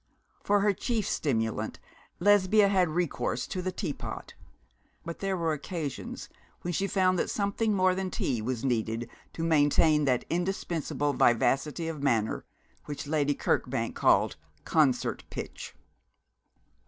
For her chief stimulant Lesbia had recourse to the teapot; but there were occasions when she found that something more than tea was needed to maintain that indispensable vivacity of manner which Lady Kirkbank called concert pitch.